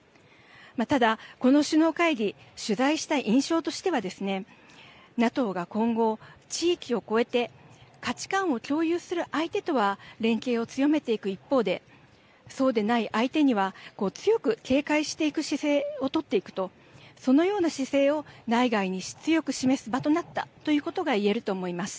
ただ、この首脳会議取材した印象としてはですねＮＡＴＯが今後、地域を越えて価値観を共有する相手とは連携を強めていく一方でそうでない相手には強く警戒していく姿勢を取っていくとそのような姿勢を内外に強く示す場となったということが言えると思います。